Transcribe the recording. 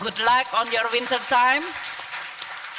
jadi semoga berjaya di winter time anda